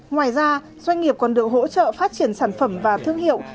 ngoài ra doanh nghiệp còn được hỗ trợ phát triển sản phẩm và thương hiệu